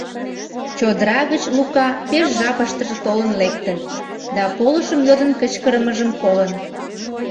чодыра гыч Лука пеш жапыштыже толын лектын да полышым йодын кычкырымыжым колын.